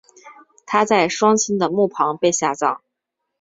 她在双亲的墓旁被下葬。